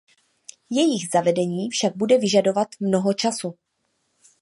Jejich zavedení však bude vyžadovat mnoho času.